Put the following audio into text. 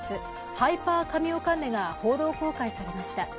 ハイパーカミオカンデが報道公開されました。